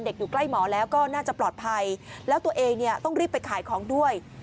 อยู่ใกล้หมอแล้วก็น่าจะปลอดภัยแล้วตัวเองเนี่ยต้องรีบไปขายของด้วย